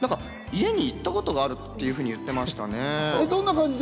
家に行ったことがあるって言ってましたね。